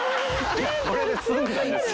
これで済んだんですよ。